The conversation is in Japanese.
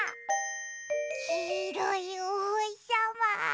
きいろいおほしさま。